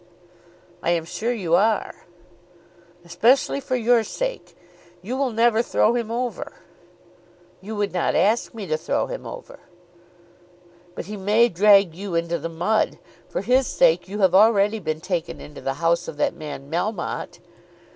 "I am sure you are." "Especially for your sake. You will never throw him over." "You would not ask me to throw him over." "But he may drag you into the mud. For his sake you have already been taken into the house of that man Melmotte."